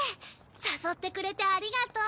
誘ってくれてありがとう。